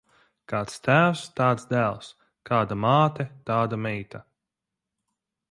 Kāds tēvs, tāds dēls; kāda māte, tāda meita.